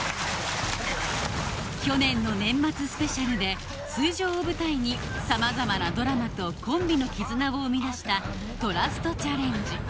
去年の年末スペシャルで水上を舞台にさまざまなドラマとコンビの絆を生み出したトラストチャレンジ